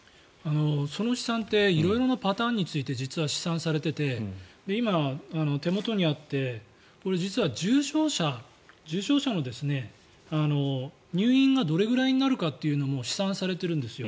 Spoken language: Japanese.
その試算って色々なパターンについて実は試算されていて今、手元にあってこれ実は重症者の入院がどれぐらいになるのかも試算されてるんですよ。